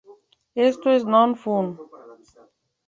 Esto es 'No Fun'.